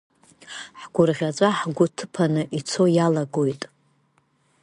Ҳгәырӷьаҵәа, ҳгәы ҭыԥаны ицо иалагоит.